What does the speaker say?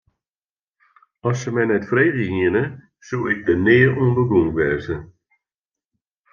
As se my net frege hiene, soe ik der nea oan begûn wêze.